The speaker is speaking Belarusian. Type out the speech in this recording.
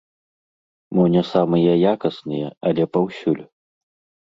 Мо не самыя якасныя, але паўсюль.